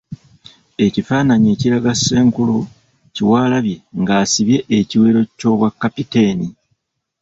Ekifaananyi ekiraga Ssenkulu Kiwalabye nga asibye ekiwero ky’obwa kapiteeni.